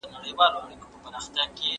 استفاده کول باید د ضایع کیدو لامل نسي.